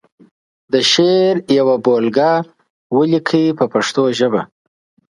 د شعر یوه بېلګه ولیکي په پښتو ژبه.